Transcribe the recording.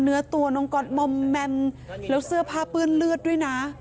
เนื้อตัวน้องก๊อตมอมแมมแล้วเสื้อผ้าเปื้อนเลือดด้วยนะ